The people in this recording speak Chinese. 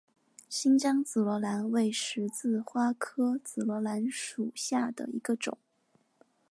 新疆紫罗兰为十字花科紫罗兰属下的一个种。